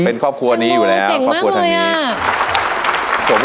เป็นครอบครัวนี้อยู่แล้วครับครอบครัวทางนี้อ๋อเจ๋งมากเลย